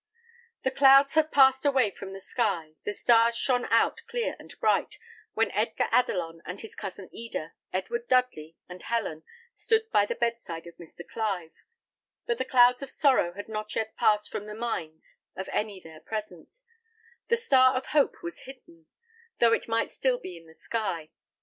The clouds had passed away from the sky, the stars shone out clear and bright, when Edgar Adelon, with his cousin Eda, Edward Dudley, and Helen, stood by the bed side of Mr. Clive; but the clouds of sorrow had not yet passed from the minds of any there present: the star of Hope was hidden, though it might still be in the sky.